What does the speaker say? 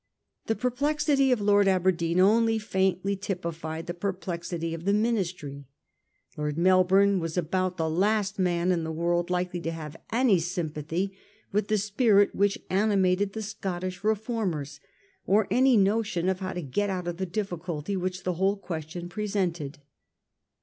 The perplexity of Lord Aberdeen only faintly typified the perplexity of the Ministry. Lord Mel bourne was about the last man in the world likely to have any sympathy with the spirit which ani mated the Scottish Keformers, or any notion of how to get out of the difficulty which the whole question presented.